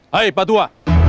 hai pak tua